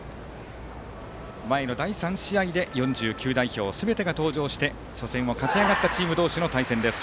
前の第３試合で４９代表すべてが登場して初戦を勝ち上がったチーム同士の対戦です。